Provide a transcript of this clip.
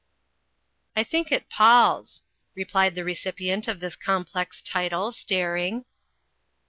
"I think it palls," replied the recipient of this com plex title, staring.